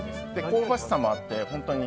香ばしさもあって本当に。